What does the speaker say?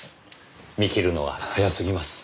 見切るのは早すぎます。